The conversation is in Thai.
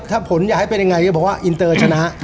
ถ้าพลอยากให้เป็นยังไงตลอดอานเตอร์ชนะ